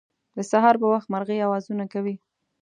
د سهار په وخت مرغۍ اوازونه کوی